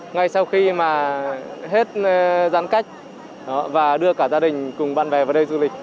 ngay sau khi mà hết giãn cách và đưa cả gia đình cùng bạn bè vào đây du lịch